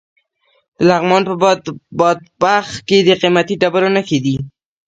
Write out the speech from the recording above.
د لغمان په بادپخ کې د قیمتي ډبرو نښې دي.